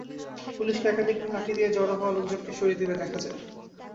পুলিশকে একাধিকবার লাঠি দিয়ে জড়ো হওয়া লোকজনকে সরিয়ে দিতে দেখা যায়।